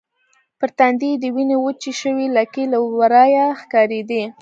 پر تندي يې د وینې وچې شوې لکې له ورایه ښکارېدې.